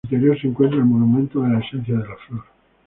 En su interior se encuentra el Monumento de la esencia de la flor.